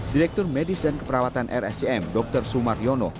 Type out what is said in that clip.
direktur medis dan keperawatan rsjm dokter sumar yono